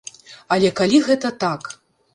Але калі гэта так!